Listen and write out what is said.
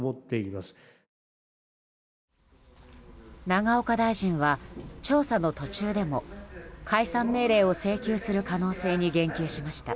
永岡大臣は、調査の途中でも解散命令を請求する可能性に言及しました。